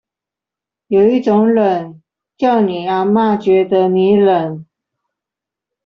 有一種冷，叫你阿嘛覺得你冷